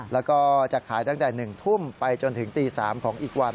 แล้วก็จะขายตั้งแต่๑ทุ่มไปจนถึงตี๓ของอีกวัน